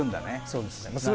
そうです